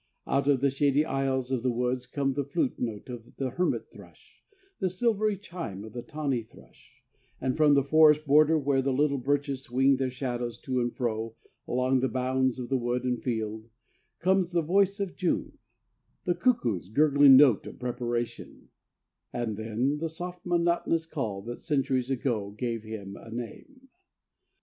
Out of the shady aisles of the woods come the flute note of the hermit thrush, the silvery chime of the tawny thrush; and from the forest border, where the lithe birches swing their shadows to and fro along the bounds of wood and field, comes that voice of June, the cuckoo's gurgling note of preparation, and then the soft, monotonous call that centuries ago gave him a name.